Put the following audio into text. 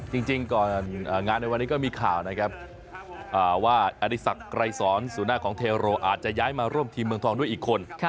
จริงก่อนงานในวันนี้ก็มีข่าวนะครับว่าอดีศักดิ์ไกรสอนสู่หน้าของเทโรอาจจะย้ายมาร่วมทีมเมืองทองด้วยอีกคน